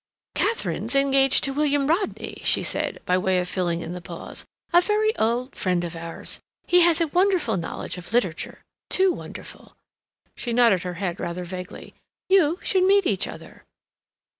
"Katharine's engaged to William Rodney," she said, by way of filling in the pause; "a very old friend of ours. He has a wonderful knowledge of literature, too—wonderful." She nodded her head rather vaguely. "You should meet each other."